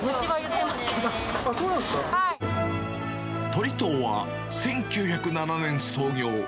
鳥藤は１９０７年創業。